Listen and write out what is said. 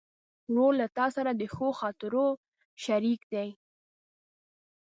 ورور له تا سره د ښو خاطرو شریک دی.